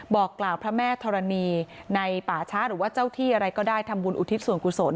บอกกล่าวพระแม่ธรณีในป่าช้าหรือว่าเจ้าที่อะไรก็ได้ทำบุญอุทิศส่วนกุศล